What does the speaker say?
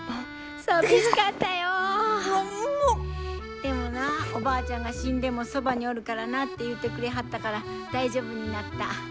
でもなおばあちゃんが死んでもそばにおるからなって言うてくれはったから大丈夫になった。